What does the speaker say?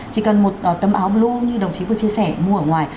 chỉ cần một tấm áo blu như đồng chí vừa chia sẻ mua ở ngoài